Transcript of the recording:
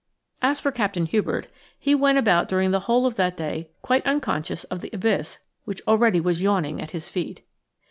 As for Captain Hubert, he went about during the whole of that day quite unconscious of the abyss which already was yawning at his feet.